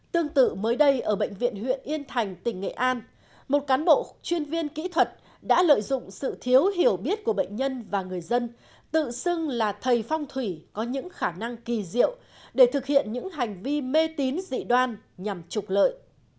tương tự mới đây ở bệnh viện huyện yên thành tỉnh nghệ an một cán bộ chuyên viên kỹ thuật đã lợi dụng sự thiếu hiểu biết của bệnh nhân và người dân tự xưng là thầy phong thủy có những khả năng kỳ diệu để thực hiện những hành vi mê tín dị đoan nhằm trục lợi